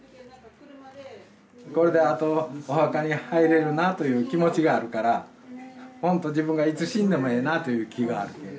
これであとお墓に入れるなという気持ちがあるから本当自分がいつ死んでもええなという気があるけん。